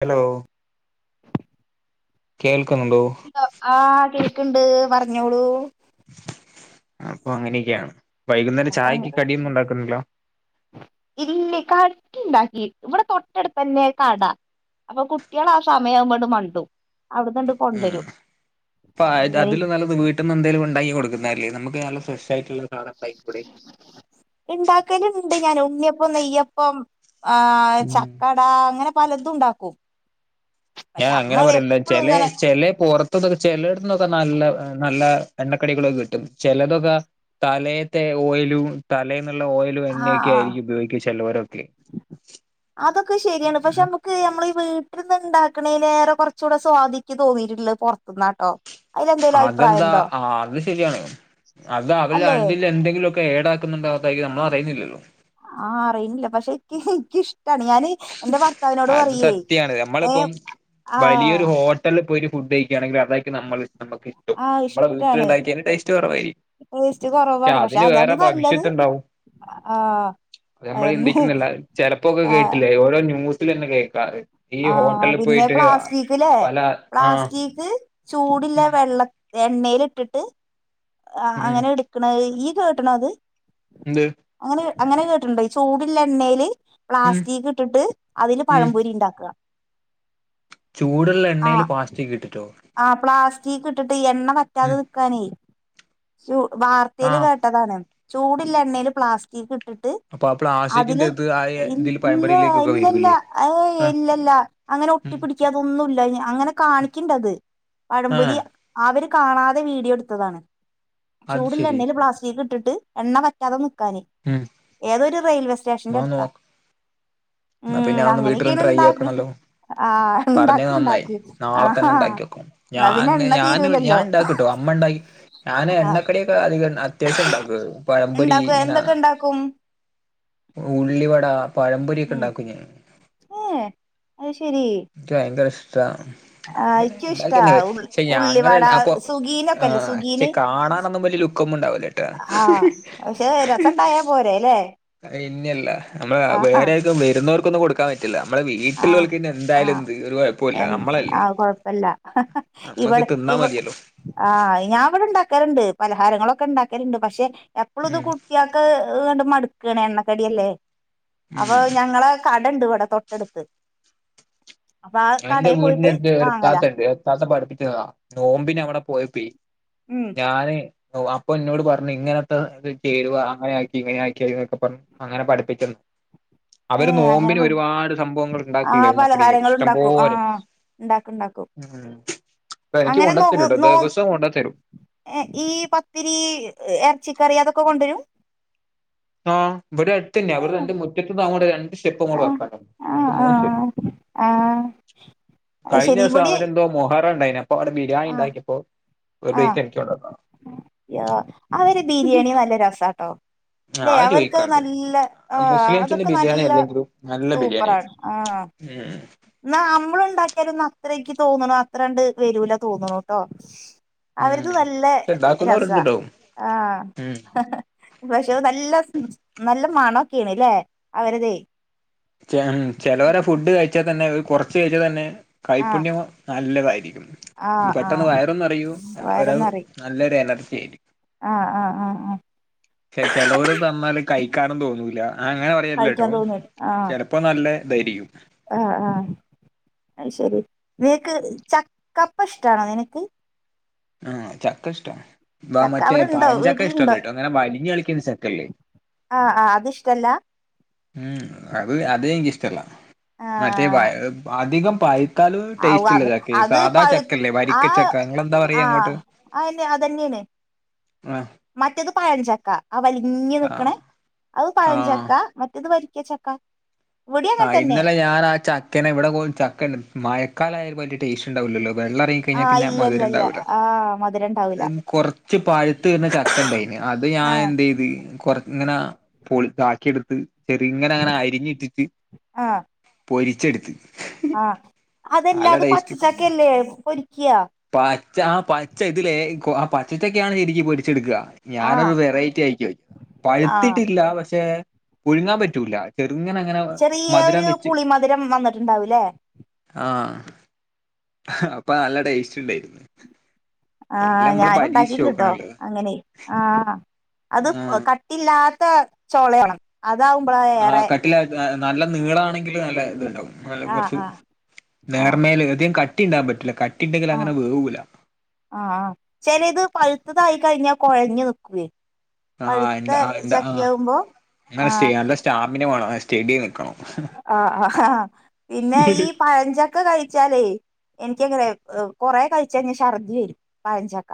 Hello കേൾക്കുന്നുണ്ടോ കേക്കുന്നുണ്ടോ ആഹ് കേക്കുണ്ട് പറഞ്ഞോളൂ അപ്പൊ അങ്ങനെയൊക്കെയാണ് വൈകുന്നേരം ചായക്ക് കടിയൊന്നും ഉണ്ടാക്കുന്നില്ലോ ഇല്ലേ കട്ടുണ്ടാക്കി ഇമ്മടെ തൊട്ടടുപ്പ് തന്നെ കട അപ്പൊ കുട്ടികൾ ആ സമയം ആവുമ്പോ അട് മണ്ടും അവിടുന്നണ്ട് കൊണ്ടരും അപ്പ അ അതിലും നല്ലത് വീട്ടിൽന്ന് എന്തേലും ഉണ്ടാക്കി കൊടുക്കുന്നെയല്ലേ നമുക്ക് നല്ല ഫ്രഷ് ആയിട്ടുള്ള സാധനം ഉണ്ടായിക്കൂടെ ഇണ്ടാക്കല് ഉണ്ട് ഞാന് ഉണ്ണിയപ്പം നെയ്യപ്പം ആ ഉം ചക്കട അങ്ങനെ പലതും ഉണ്ടാക്കും ഞാൻ പക്ഷെ അങ്ങനെ നമ്മള് പറയല്ല എപ്പളും ചില ഇങ്ങനെ ചില പൊറത്തൊക്കെ ചെലയിടത്തൂന്നൊക്കെ നല്ല നല്ല എണ്ണക്കടികളൊക്കെ കിട്ടും ചിലതൊക്കെ തലേത്തെ ഓയിലും തലേ നല്ല ഓയിലും ആഹ് എണ്ണയൊക്കെ ആഹ് ആയിരിക്കു ഉപയോഗിക്കും ചിലവരൊക്കെ അതൊക്കെ ശരിയാണ് പക്ഷെ നമ്മക്ക് നമുക്ക് നമ്മൾ ഇ മന്ന് ഇണ്ടാക്കണെല് ഏറെ കുറച്ചൂടെ സ്വദിക്ക് തോന്നിയിട്ടുള്ള പുറത്തുന്നാട്ടോ അതിലെന്തേലും അതെന്താ അഭിപ്രായണ്ടോ അത് ശരിയാണ് അത് അവര് അല്ലേ അതിൽ എന്തെങ്കിലുഒക്കെ ഏടാക്കുന്നുണ്ടോവുതായി നമ്മൾ അറിയുന്നില്ലല്ലോ ആ അറിയില്ല പക്ഷെ യാണ് ഞാന് എന്റെ ഭർത്താവിനോട് അത് പറയേ സത്യാണ് ഏ നമ്മളിപ്പം ആ ഫുഡ്യകണെങ്കിൽ അതായിട്ട് നമ്മൾ നമ്മക്കിട്ടും ആഹ് നമ്മുടെ ഇഷ്ടാണ് വീട്ടിലുണ്ടാക്കിയതിന് ടേസ്റ്റ് കുറവായിരിക്കും ടേസ്റ്റ് കുറവാണ് പക്ഷെ അതിന് വേറെ അതാണ് നല്ലത് ഭവിഷ്യത്തുണ്ടാവും ആ നമ്മൾ ചിന്തിക്കുന്നില്ല ചിലപ്പോക്കെ കേട്ടില്ലേ ഓരോ ന്യൂസലന്നെ കേൾക്കാ ഈ ആ ഹോട്ടലിൽ പിന്നെ പോയിട്ട് പ്ലാസ്റ്റിക്ക്ല്ലേ പല ആഹ് പ്ലാസ്റ്റിക് ചൂടില്ല ഉം വെള്ള എണ്ണയിൽ ഇട്ടിട്ട് ഉം അങ്ങനെ എടുക്കണത് ഈ കട്ടണത് എന്ത് അങ്ങനെ കേട്ടിട്ടുണ്ടോ ഈ ചൂടള്ള എണൽ ഉം പ്ലാസ്റ്റിക് ഇട്ടിട്ട് അതില് ഉം പഴംപൊരി ഉണ്ടാക്കും ചൂടുള്ള ആ എണ്ണയിൽ പ്ലാസ്റ്റിക് ഇട്ടിട്ടോ ആ പ്ളാസ് റ്റികിട്ടിട്ട് എണ്ണ പറ്റാതെ ഉം നിക്കാൻ വാർതെൽ ആഹ് കേട്ടതാണ് ചൂടില്ല എണേൽ പ്ലാസ്റ്റിക് ട്ടിറ്റ് അപ്പൊ ആ അതിൽ പ്ലാസ്റ്റിക്കിന്റെ ഇത് ആ ഇതിൽ ഇല്ല പഴംപൊരിയിലേക്കൊക്കെ ല്ല വരൂലേ ഏയ് ആഹ് ഇല്ലല്ല അങ്ങനെ ഉം ഒട്ടിപ്പിടിക്കാതൊന്നുല്ല അങ്ങനെ കാണിക്കണ്ടത് പഴംപൊരി ആഹ് അവര് കാണാതെ വീഡിയോ എടുത്തതാണ് അത് ചൂടുള്ള ശരി എണ്ണൽ പ്ലാസ്റ്റിക് ഇട്ടിട്ട് എണ്ണ വറ്റാതെ കാൻ ഉം ഏതൊരു റെയിൽവേ സ്റ്റേഷന്റെ അടുത്താ എന്ന ഉം പിന്നെ അതൊന്ന് വീട്ടിൽന്ന് അങ്ങനെയൊക്കെയാണ് ട്രൈ ഇണ്ടാക്ക് ആക്കണല്ലോ ആഹ് പറഞ്ഞത് ഇണ്ടാക്ക് നന്നായി ഇണ്ടാക്ക് നാളെ തന്നെ ആഹാ ഉണ്ടാക്കി വെക്കും ഞാ എന്നാ പിന്നെ ഞൻ എണ്ണ ഞാൻ തീരൂലല്ലോ ഉണ്ടാക്കിട്ടോ അ അമ്മ ഉണ്ടാക്കി ഞാൻ ആഹ് എണ്ണക്കടിയൊക്കെ അതിക അത്യാവശ്യം ഉണ്ടാകും പഴംപൊരി ഇണ്ടാക്കും ഇങ്ങന എന്തൊക്കെ ഇണ്ടാക്കും ഉള്ളിവട പഴംപൊരി ഒക്കെ ഉം ഉണ്ടാകും ഏഹ് അത് ശരി അങ്ങട്ട് ഇഷ്ടാ ഉണ്ടാക്കന്ന ഉള്ളി പക്ഷെ ഞങ്ങൾ ഉള്ളിവട അപ്പൊ സുഗീനൊക്കെ അ ഇല്ലേ ചെ സുഗീന് കാണാനോന്നും വ ലുക്ക് ഉണ്ടാവലട്ടാ ആഹ് പക്ഷെ രസണ്ടായാ പോരെല്ലേ പിന്നല്ല നമ്മള് ആഹ് വേറെ ആർക്കും വരുന്നവർക്കൊന്നും കൊടു റ്റില്ല നമ്മൾ ആഹ് വീട്ടിൽലോക് എന്തായാലും ആഹ് ഒരു കുഴപ്പില്ല എൻ നമ്മളല്ലേ ആഹ് കൊഴപ്പല്ല നമ്മെ തിന്നമാതിയല്ലോ ആ ഞാൻ അവിടെ ഉണ്ടാക്കാറുണ്ട് പലഹാരങ്ങളൊക്കെ ഉണ്ടാക്കിലുണ്ട് പക്ഷെ എപ്പോളും ഇത് ഉം കുട്ടിയക്ക ള്ക്ക് എങ മടുക്കണ എണ്ണകടി അല്ലേ അപ്പൊ ഉം ഞങ്ങൾ കാടിൻഡ് ഇവിടെ തൊ ട്ടടുത്ത് ഞാൻ എന്റെ വീടിന്റെടുത്ത് ഒരു ഇത്താത്തണ്ട് ഇത്താത്ത പഠിപ്പിച്ചതാ നോമ്പിന് അവിടെ പോയപ്പേ ഉം ഞാന് അപ്പൊ എന്നോട് പറഞ്ഞു ഇങ്ങനത്തെ ഇ ചേരുവ അങ്ങനെ ങ്ങനെ ആക്കിക്കെ പറഞ് അങ്ങനെ പഠിപ്പിക്കുന്ന് അവര് ഏഹ് അങ്ങനെ നോബിന് പ ഒരുപാട് സംഭവങ്ങൾ ഉണ്ടാക്കിലെ ആഹ് എണ്ണ കടി പലഹാരങ്ങൾ ഇണ്ടാക്കും പോര് ആഹ് ഇണ്ടാക്കും ഇണ്ടാക്കും അങ്ങനെ നോ നോ ഈ പത്തിരി ഏറ ചിക്കറി അതൊക്കെ കൊണ്ടരും ആ ഇവിടെ അടുത്തന്നെ അവരന്റെ മുറ്റത്ത് തങ്ങണ്ടേ ര സ്റ്റെപ്പ്ങ്ങവക്കനു ആഹ് എന്നിട്ട് മൂന്ന് സ്റ്റെ ആഹ് ആഹ് അത് കഴിഞ്ഞ ശരി ദിവസം ഇവിടെ അവനന്തോ മോഹ പ്പോ ബിരിയാണി ആഹ് ഉണ്ടാക്കിയപ്പോ ഒരു പ്ലേറ്റ് ആഹ് എനക്ക് കൊണ്ടന്നു അവര് ബിരിയാണി നല്ല രസാട്ടോ ല്ലെ അത് അവര്ക്കത് ചോദിക്കാണ്ടോ നല്ല ആ മുസ്ലിംസിന്റെ അതൊക്കെ ബിരിയാണി നല്ല സൂപ്പറാണ് ആ ഹ്മ്മ് ഇന്നാ അമ്മള്ണ്ടാക്കിയാലൊന്നും അത്ര ഇന്ക്ക് തോന്ന്ണു അത്രണ്ട് വരൂല തോന്ന്ണുട്ടോ ഉം അവര്ത് നല്ലെ പക്ഷെ രസാ ഇണ്ടാക്കുന്നവരുണ്ട്ട്ടോ ആഹ് ഉം പക്ഷെ നല്ല നല്ല മണൊക്കേണ് ല്ലേ അവര്തെ ചെ ചെലോരെ ഫുഡ് കഴിച്ചാ തന്നെ ഒരു കൊറച്ച് കഴിച്ചാ തന്നെ ആഹ് കൈപ്പുണ്യം നല്ലതായിരിക്കും ആഹ് പെട്ടെന്ന് ആഹ് വയറും നിറയും ഒര് വയറ്ന്നറി നല്ലൊരു എനർജി ആയിരിക്കും ആഹ് ആഹ് ആഹ് ആഹ് ചെലോര് തന്നാല് കഴിക്കാനും തോന്നൂല്ല ആഹ് അങ്ങനെ പറയല്ലാട്ടോ കഴിക്കാൻ തോന്നും ആഹ് ചെലപ്പോ നല്ല ഇതായിരിക്കും ആഹ് ആഹ് അത് ശരി നിനക്ക് ചക്കപ്പഷ്ടാണോ നിനക്ക് ആഹ് ചക്കഷ്ട്ടാ ഇപ്പ ചക്ക മറ്റേ അവിടെ ഇണ്ടോ പഴഞ്ചക്ക വീട്ടിലുണ്ടോ ഇഷ്ടല്ലാട്ടോ അങ്ങനെ വലിഞ്ഞ് കളിക്കുന്ന ചക്കല്ലേ ആഹ് ആഹ് അതിഷ്ട്ടല്ലാ ഉം അത് അത് എനിക്കിഷ്ടല്ല മറ്റേ ആഹ് അധികം പഴു ലും ആവു ടേസ്റ്റ് ഉള്ള അത് ചക്കയാ അത് സാധാ പഴു ചക്കേല്ലേ വരിക്ക ആഹ് ചക്ക നിങ്ങെളന്താ പറയാ ആഹ് അങ്ങോട്ട് അയെന്നെ അതന്നെയാണ് ആഹ് മറ്റേത് പഴഞ്ചക്ക ആ വലിഞ്ഞ് ആഹ് നിക്ക്ണേ അത് ആഹ് പഴഞ്ചക്ക മറ്റേത് വരിക്ക ചക്ക. ഇവിടേം അങ്ങനെ ആഹ് തന്നെ ഇന്നലെ ഞാൻ ആ ചക്കനെ ഇവിടെ മൂന്ന് ചക്കണ്ട് മയക്കാലായ വല്യ ടേസ്റ്റ് ഇണ്ടാവുലല്ലോ വെള്ളം ഇറങ്ങി കഴിഞ്ഞാൽ ആഹ് പിന്നെ ഇല്ല ഇല്ല മധുരം ഇല്ല ഉണ്ടാവൂല്ല ആഹ് മധുരം ഇണ്ടാവൂല കൊറച്ച് പഴുത്ത് വരുന്ന ചക്കയുണ്ടായിന് അത് ഞാൻ ആഹ് എന്ത് ചെയ്ത് കൊറ ഇങ്ങനെ പൊളി താക്കിയെടുത്ത് ചെറി ഇങ്ങനെ അങ്ങനെ അരിഞ്ഞിട്ടിട്ട് ആഹ് പൊരിച്ചെടുത്ത് ആഹ് അതല്ല നല്ല അത് ടേസ്റ്റ് പച്ചച്ചക്കയല്ലേ പൊരിക്ക പച്ച ആഹ് പച്ച ഇതിലേക്കു പച്ചച്ചക്കയാണ് ശരിക്ക് പൊരിച്ചെടുക്കുക ആഹ് ഞാനൊരു വെറൈറ്റി ആയി ആഹ് പഴുത്തിട്ടില്ല പക്ഷെ പുഴുങ്ങാൻ പറ്റൂല ചെറുങ്ങനങ്ങനെ ചെറിയൊരു പുളിമധുരം വന്നിട്ടുണ്ടാവുല്ലേ അപ്പ നല്ല ടേസ്റ്റ്ണ്ടായിനി. ആഹ് ഞാനും ഉണ്ടാക്കിട്ട്ട്ടോ അങ്ങനെ ആഹ് അത് ആഹ് കട്ടിയില്ലാത്ത ചൊളയാണ് ആ കട്ടില്ലാത്ത നല്ല നീളാണെങ്കിലും നല്ല ഇത്ണ്ടാവും അല്ല ആഹ് കുറച്ച് ആഹ് ആഹ് നേർമേൽ അധികം കട്ടീണ്ടാകാൻ പറ്റില്ല ക ആഹ് ആഹ് ആഹ് ചെലേത് പഴുത്തതായി കഴിഞ്ഞാ കൊഴഞ്ഞ് നിക്കുവേ ആഹ് പഴുത്ത എന്താ ആ എന്താ ആ ചക്കയാവുംമ്പോ നല്ല സ്റ്റേ ആഹ് നല്ല സ്റ്റാമിന വേണം സ്റ്റഡി നിക്കണം ആഹ് ആഹ് പിന്നെ ഈ പഴഞ്ചക്ക കഴി ന്താച്ചാലേ എനിക്കങ്ങനെ ഏഹ് കൊറെ കഴിച്ച ഛർദ്ദി വരും പഴഞ്ചക്ക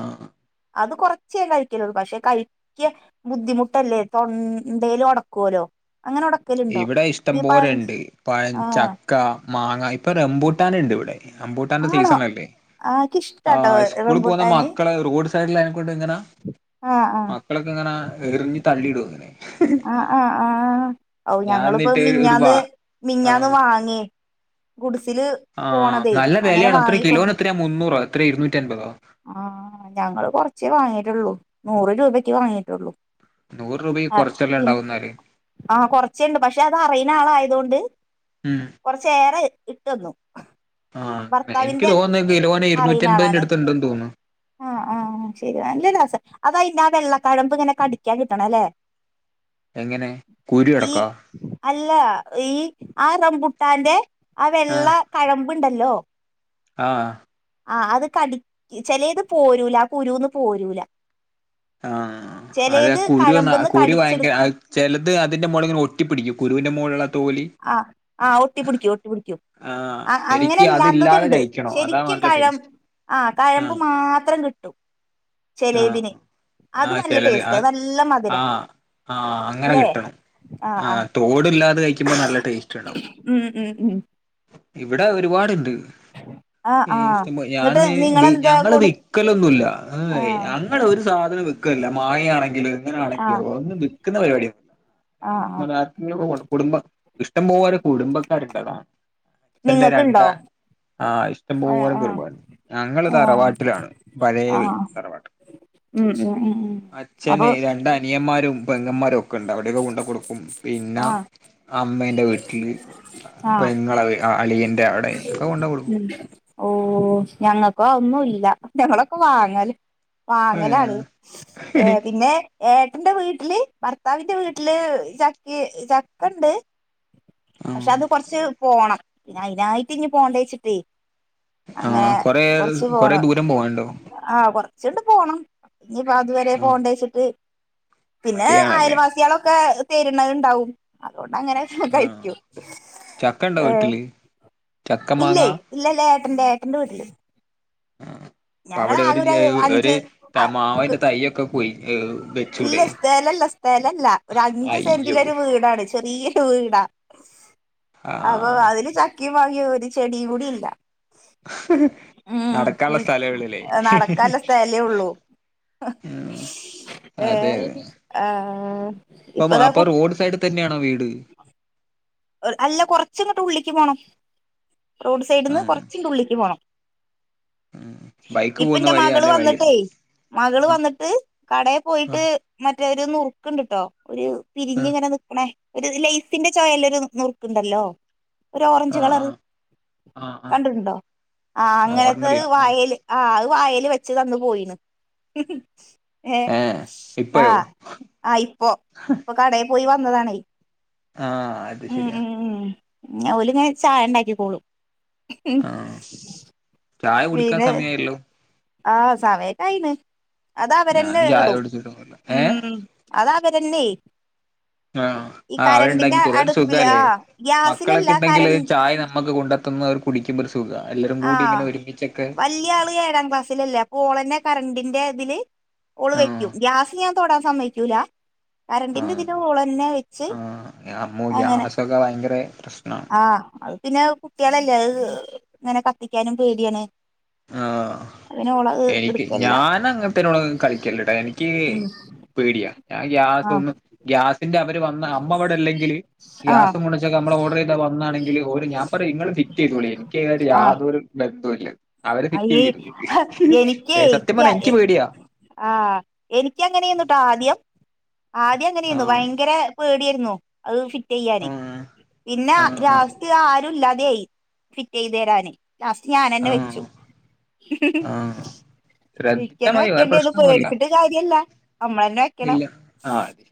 ആഹ് അത് കൊറച്ചേ കഴിക്കലൊള്ളൂ പക്ഷെ കഴിക്ക ബുദ്ധിമുട്ടല്ലേ തൊണ്ടേലൊടക്കല്ലോ അങ്ങനൊട ഇവിടെയിഷ്ടംപോലെയുണ്ട്, ആഹ് പഴംചക്ക, മാങ്ങ ഇപ്പൊറംമ്പൂട്ടാനുണ്ടിവിടെ റംമ്പൂട്ടാന്റെ ആണോ സീസണല്ലേ ആ ആ എനിക്കിഷ്ടാട്ടോ സ്കൂളിൽ റംബൂട്ടാന് പോകുന്നമക്കള് റോഡുസൈഡിലേ ഇവിടെയിങ്ങനെ ആഹ് ആഹ് മക്കളൊക്കെയിങ്ങനെ എറിഞ്ഞു തള്ളിയിടും ആ ആ ആ ഔ ഞാൻ ഞങ്ങളിപ്പോ എന്നിട്ട് ഒരു മിഞ്ഞാന്ന് ബാ ആ മിഞ്ഞാന്നു വാങ്ങി ഗുഡ്സില് ആ പോണതേ നല്ല അങ്ങനെ വിലയാണ് എത്ര വാങ്ങികൊ കിലോന് എത്രയാ മുന്നൂറോ എത്ര ഇരുന്നൂറ്റി അൻപതോ ആ ഞങ്ങളുകൊറച്ചേ വാങ്ങിയിട്ടുള്ളൂ, നൂറു രൂപക്കേവാങ്ങിയിട്ടൊള്ളു നൂറ് രൂപക്ക് കൊറച്ചല്ലേ ഉണ്ടാവുയെന്നാല് ആഹ്, കൊറച്ചേയുണ്ട് പക്ഷെ അതറിയുന്നയാളായതുകൊണ്ട് ഉം കൊറച്ചേറെ ഇട്ടു തന്നു. ആ അങ്ങനെ എനിക്കുതോന്നുന്നത് കിലോയിന് ഇരുന്നൂറ്റിയൻമ്പതിന്റെ അടുത്തുണ്ടെന്ന് തോന്നുന്നു അ ആ ശെരി നല്ല രസ അതയ് പിന്നെ ആ വെള്ളക്കഴമ്പ് ങ്ങനെ കടിക്കാൻ കിട്ടണം ല്ലേ എങ്ങനെ കുരു അടക്കാ അല്ല ഈ ആ റംബൂട്ടാന്റെ ആ വെള്ള കഴമ്പ മ്പ്ണ്ടല്ലോ ആ ആ അത് കടി ചെലെത് പോരൂല ആ കുരുന്ന് പോരൂല ആ അതെ ചെലേത് കുരുന്ന കഴമ്പ്ന്ന് കുരു കടിച്ചെടു ഭയങ്കര ചെലത് അതിന്റെ മോളിങ്ങനെ ഒട്ടിപ്പിടിക്കും കുരുന്റെ മോള്ല് ആ ആ ഒട്ടിപ്പിടിക്കും ഒട്ടിപ്പിടിക്കും ആഹ് അ ശരിക്ക് അതില്ലാതെ അങ്ങനല്ലാത്തത്ണ്ട് കഴിക്കണം അതാ ശെരിക്കും നല്ല കഴ ടേസ്റ്റ് ആ കഴമ്പ് ആഹ് മാത്രം കിട്ടും ആഹ് ചെലെതിന് അത് ആഹ് നല്ല ചിലത് ടേസ്റ്റ ആ അത് നല്ല മധ് ര ആഹ് ആഹ് അങ്ങനെ കിട്ടണം ആഹ് തോടില്ലാതെ കഴിക്ക ഉം ഉം ഉം ഇവിടെ ഒരുപാടുണ്ട് ആഹ് ആഹ് ഇഷ്ടംപ്പോ ഞാന എന്നിട്ട് നിങ്ങളെന്താ ഞങ്ങള് കൊടു വിൽക്കലൊന്നുല്ല ഏഹ് ആഹ് ഞങ്ങളൊരു സ വിക്കല്ല മാങ്ങ ആണെങ്കിലും ആഹ് ഇങ്ങനൊണെങ്കിലും ഒന്നും വിൽക്കുന്ന പരിപാടിന്നുല്ല ആഹ് ആഹ് റഞ്ഞാ കുടുംബം ഇഷ്ടം പോലെ കുടുംബക്കാരുണ്ട് അതാണ് നിങ്ങക്കിണ്ടോ ആഹ് ഇഷ്ടംപോലൊ ഒരുപാട് ഞങ്ങള് ആഹ് തറവാട്ടിലാണ് പഴയ ആഹ് വീട് തറവാട്ട് ഉം ഉം ഉം ഉം അപ്പൊ അച്ഛനെ രണ്ട് അനിയന്മാരും പെങ്ങന്മാരും ഒക്കെ ഉണ്ട് അവിടെയൊക്കെ കൊണ്ട് കൊടുക്കും പിന്നാ ആഹ് അമ്മേന്റെ വീട്ടില് ആഹ് പെങ്ങളെ അളിയന്റെ അവിടെ ഒക്കെ കൊണ്ട് കൊടുക്കും ഉം ഓഹ് ഞങ്ങൾക്കോ അതൊന്നുല്ല ഞങ്ങളൊക്കെ വാങ്ങല് വാങ്ങലാണ് ഏഹ് പിന്നെ ഏട്ടന്റെ വീട്ടില് ഭർത്താവിന്റെ വീട്ടില് ചക്കെ ചക്കെണ്ട് പക്ഷെ അത് കൊറച്ച് പോണം പിന്നെ അയിനായിട്ട് ഇനി പോണ്ടെച്ചിട്ടേ അങ്ങനെ ആ കൊറെ കൊറച്ച് കൊറെ പോണം ദൂരം പോവാനുണ്ടോ ആഹ് കൊറ ച്ചൊക്കെ പോണം ഇനിപ്പ അതുവരെ പോണ്ടേച്ചിട്ട് പിന്നെ മടിയാണല്ലേ അയൽവാസികളൊക്കെ തേരുണ്ണരുണ്ടാവും കൊണ്ട് അങ്ങനൊക്കെ ആ കഴിക്കും ചക്ക ഉണ്ടോ ഏഹ് വീട്ടില് ചക്ക മാങ്ങ ഇല്ലേ ഇല്ലല്ല ഏട്ടന്റെ ഏട്ടന്റെ വീട്ടില് ആഹ് അപ്പ അവിടെ ഞങ്ങളാകെ ഒരു ഒരു അഞ്ച് ആ ക്ക് മാവിന്റെ തൈയൊക്കെ കൊയി ഇല്ല വെച്ചൂടെ സ്ഥലല്ല സ്ഥലല്ല ഒരു അഞ്ചു അയ്യോ സെന്റിലൊരു വീടാണ് ചെറിയ രു വീടാ അപ്പൊ ആഹ് അതില് ചക്കേം മാങ്ങേ ഒരു ചെടി കൂടി ഇല്ല ഉം നടക്കാനുള്ള കുളി സ്ഥ നടക്കാല്ല സ്ഥലേ ഉള്ളു. ഉം അതെ ഏഹ് അതെ ആഹ് ഇപ്പ അപ്പൊ ദാ അപ്പൊ കു റോഡ് സൈഡിൽ തന്നെയാണോ വീട് അല്ല കൊറച്ച് ഇങ്ങട്ട് ഉള്ളിക്ക് പോണം റോഡ് സൈഡിന്ന് ആഹ് കൊറച്ചിങ്ങട്ട് ഉള്ളിക്ക് പോണം. ഉം ബൈക്ക് ഇപ്പ പോകുന്ന എന്റെ വഴിയാ മകള് അല്ലേ വഴി വന്നിട്ടേ മകള് ആഹ് വന്നിട്ട് കടേ ആഹ് പോയിട്ട് മ റ്റെ ഒരു മുറുക്കിണ്ടിട്ടോ ഒരു പിരിഞ്ഞ് ആഹ് ഇങ്ങനെ നിക്കണേ ഒരു ലൈസിന്റെ ചൊവയുള്ളൊരു മുറു‌ക്കിണ്ടല്ലോ ഒരോറഞ്ച് ആഹ് കളറ് ആഹ് ആഹ് ആഹ് കണ്ടിട്ടെണ്ടോ ആഹ് അങ്ങനത്തത് ഓർമ്മല്ല ആഹ് വായേല് ആഹ് അത് വായേ ല് വെച്ചതന്ന് പോയീണ്. ഏഹ് ആഹ് ആഹ് ഇപ്പൊ ഇപ്പൊ കടേ പോയി വന്നതാണേ. ആഹ് അത് ശരിയാണ്. ഓല് ഇങ്ങനെ ചായ എണ്ടാക്കിക്കോളും ആഹ് ചായ കുടിക്കാൻ സമയായല്ലോ ആഹ് സമയോക്കെ ആയിന് അത് അവരന്നെ ഞാന് ചായ ഇടും കുടിച്ചിട്ടൊന്നുല്ല ഏഹ് ഉം അതവരന്നെ ആഹ് ആഹ് അവരിണ്ടാക്കി തരും അതൊര് സുഖ അടുപ്പില് ആ അല്ലേ ഗ്യാസിലല്ല മക്കളൊക്കെ ഇണ്ടെങ്കില് കരൺ ചായ നമ്മക്ക് കൊണ്ടത്തന്ന് അവർ കുടിക്കും എല്ലരും ആ കൂടി ഇങ്ങനെ ഒരുമിച്ച വല്യ ആള് ഏഴാം ക്ലാസ്സിലല്ലേ അപ്പോ ഓളെന്നെ കറണ്ടിൻ്റെ ഇതില് ഓള് ആഹ് വെക്കും ഗ്യാസ് ഞാൻ തൊടാൻ സമ്മയിക്കൂല കറണ്ടിന്റെ ആഹ് ഇതില് ഓളന്നെ വെച്ച് ആഹ് അമ്മോ അങ്ങനെ ഗ്യാസൊക്കെ ഭയങ്കര പ്രശ്നാണ് ആഹ് അത് പിന്നെ കുട്ടികളല്ലേ അത് ഇഹ് ഇങ്ങനെ കത്തിക്കാനും പേടിയാണ് ആഹ് അങ്ങനെ ഓളത് എനിക്ക് എടുക്കല്ല ഞാൻ അങ്ങനത്തേനോട് ഒന്നും കളിക്കേലട്ടാ എനിക്ക് ഉം പേടിയാ ഞാൻ ഗ്യാസ് ആ ഒന്നു ഗ്യാസിന്റെ അവര് വന്ന അമ്മ ഇവിട ഇല്ലങ്കില് ആ ഗ്യാസ് മുണച്ചക്ക നമ്മള് ഓഡറെയ്താ വന്നാണെങ്കില് ഓര് ഞാൻ പറയും നിങ്ങള് ഫിറ്റ് ചെയ്തോളി എനിക്കിയ്നായിട്ട് ആ യാതൊരു ബന്ധോം ഇല്ല അവര് ഫിറ്റ് അയ്യേ ചെയ്തിരുന്ന് ഹ എനിക്കേ ഏഹ് സത്യം ക്യ പറഞ്ഞാ എ എനിക്ക് പേടിയാ ആഹ് എനിക്ക് അങ്ങനെയന്നുട്ട ആദ്യം ആദ്യം അങ്ങനെയിന്നു ആഹ് ഭയങ്കര പേടിയായിരുന്നു അത് ഫിറ്റ് ചെയ്യാനെ ആഹ് പിന്ന ആഹ് ആഹ് രാവ്‌സ്തി ആരും ഇല്ലാതയായി ഫിറ്റെയത് തരാനെ ലാസ്റ്റ് ഞാനന്നെ വെ ആഹ് ആഹ് ശ്രദ്ധിച്ചാ എനിക്കന്ന മതി വേറെ വെക്കേണ്ടി വന്ന് പ്രശ്നൊന്നുല്ല പേടിച്ചിട്ട് കാര്യ ഇല്ല നമ്മളന്നെ വെക്കണം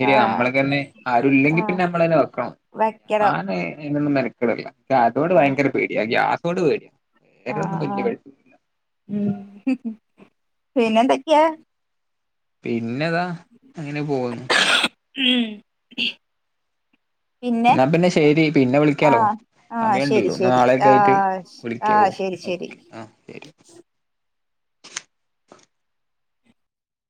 ആ നമ്മളക്കന്നെ ആരുല്ലെങ്കി പിന്നെ നമ്മളന്നെ വെക്കണം വെക്കണം അയിനൊന്നും മെനക്കെടില്ല. ഗ്യാതോട് ആഹ് ഭയങ്കര പേടിയാ ഗ്യാസോട് പേടിയാ ആഹ് വേറൊന്നും വല്യ ആഹ് [inaudible] ഉം പിന്നെ എന്തൊക്കെയാ പിന്നെതാ അങ്ങനെ പോകുന്നു ഉം പിന്നെ എന്നാ ശരി പിന്നെ വിളിക്കാലോ ആഹ് ആഹ് ശരി സമയമുണ്ടല്ലോ ശരി നാളെയൊക്കെ ആ ആയിട്ട് ആ വിളിക്കാവോ ശ രി ശരി ഓക്കെ ആ ശരി